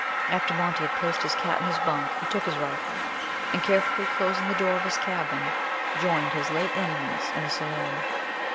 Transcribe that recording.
After Monty had placed his cat in his bunk he took his rifle, and carefully closing the door of his cabin, joined his late enemies in the saloon.